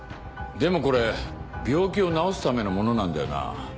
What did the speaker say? でもこれ病気を治すためのものなんだよな？